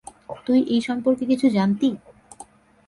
তুই এই সম্পর্কে কিছু জানতি?